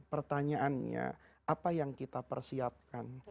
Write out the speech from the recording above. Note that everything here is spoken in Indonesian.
pertanyaannya apa yang kita persiapkan